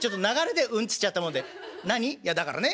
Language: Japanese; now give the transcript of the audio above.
「いやだからね